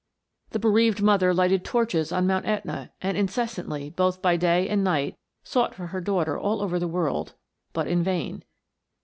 The bereaved mother lighted torches on Mount jEtna, and incessantly, both by day and night, sought for her daughter all over the world, but in vain.